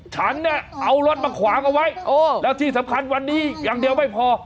ฉันเนี่ยเอารถมาขวางเอาไว้แล้วที่สำคัญวันนี้อย่างเดียวไม่พอ